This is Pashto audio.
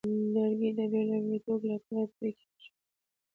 لرګی د بېلابېلو توکو لپاره پرې کېږي.